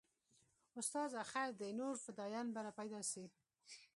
استاده خير دى نور فدايان به راپيدا سي.